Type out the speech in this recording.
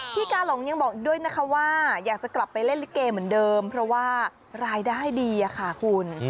กาหลงยังบอกอีกด้วยนะคะว่าอยากจะกลับไปเล่นลิเกเหมือนเดิมเพราะว่ารายได้ดีค่ะคุณ